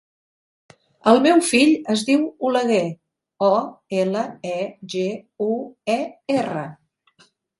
El meu fill es diu Oleguer: o, ela, e, ge, u, e, erra.